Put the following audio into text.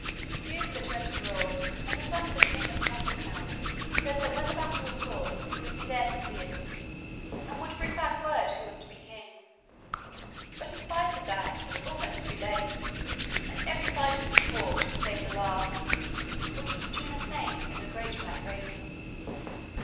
News of it went abroad, and the son of the king of Tethertown said that when the battle was fought he would be there to see it, and would bring back word who was to be king. But in spite of that, he was almost too late, and every fight had been fought save the last, which was between a snake and a great black raven.